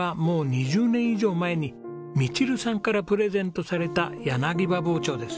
２０年以上前にミチルさんからプレゼントされた柳刃包丁です。